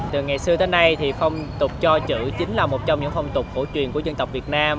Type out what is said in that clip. từ ngày xưa tới nay thì phong tục cho chữ chính là một trong những phong tục cổ truyền của dân tộc việt nam